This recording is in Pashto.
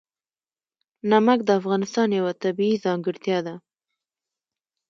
نمک د افغانستان یوه طبیعي ځانګړتیا ده.